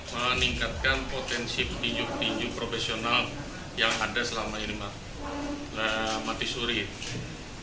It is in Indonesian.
meningkatkan potensi petinju petinju profesional yang ada selama ini mati suri